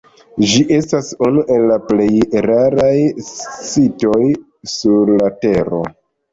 Ĝi estas unu el la plej raraj sitoj sur la tero.